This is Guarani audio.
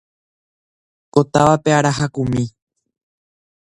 Ko távape ára hakumi.